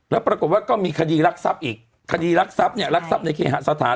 แล้วปรากฏว่าก็มีคดีรักทรัพย์อีกคดีรักทรัพย์เนี่ยรักทรัพย์ในเคหสถาน